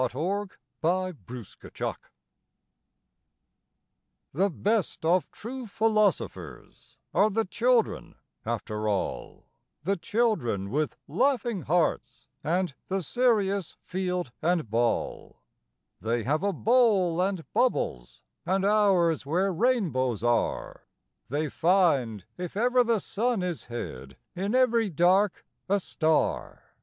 THE PHILOSOPHERS The best of true philosophers Are the children, after all, The children with laughing hearts And the serious field and ball: They have a bowl and bubbles, And hours where rainbows are; They find, if ever the sun is hid, In every dark a star.